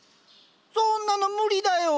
そんなの無理だよ。